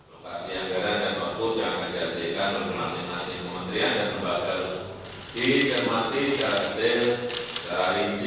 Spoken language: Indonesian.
lokasi agarannya kontur jangan berjajarkan untuk masing masing kementerian dan lembaga harus dicermati secara detail secara rinci